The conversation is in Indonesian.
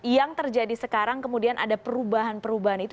yang terjadi sekarang kemudian ada perubahan perubahan itu